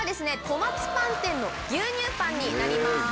小松パン店の牛乳パンになります。